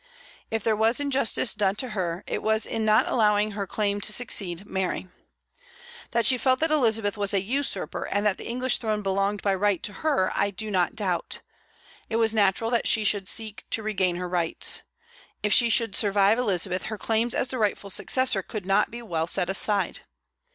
If there was injustice done to her, it was in not allowing her claim to succeed Mary. That she felt that Elizabeth was a usurper, and that the English throne belonged by right to her, I do not doubt. It was natural that she should seek to regain her rights. If she should survive Elizabeth, her claims as the rightful successor could not be well set aside.